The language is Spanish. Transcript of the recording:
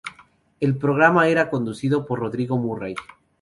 El programa era conducido por Rodrigo Murray.